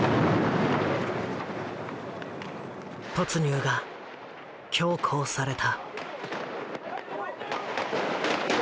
突入が強行された。